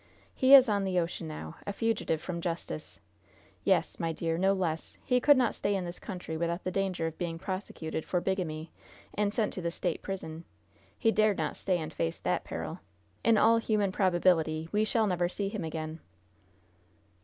He is on the ocean now, a fugitive from justice yes, my dear, no less. He could not stay in this country without the danger of being prosecuted for bigamy, and sent to the State prison. He dared not stay and face that peril. In all human probability, we shall never see him again."